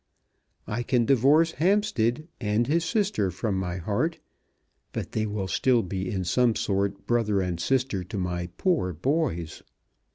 I can divorce Hampstead and his sister from my heart; but they will still be in some sort brother and sister to my poor boys.